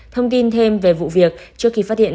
thông tin thêm về vụ việc trước khi phát hiện